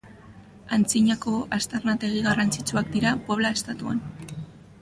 Antzinako aztarnategi garrantzitsuak dira Puebla estatuan.